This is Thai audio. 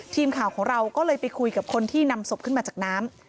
ทีมข่าวของเราก็เลยไปคุยกับคนที่นำศพขึ้นมาจากน้ำ